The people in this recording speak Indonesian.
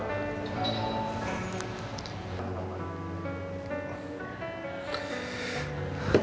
terima kasih banyak